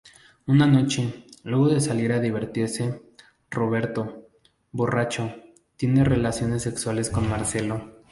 Una noche, luego de salir a divertirse, Roberto, borracho, tiene relaciones sexuales con Marcelo.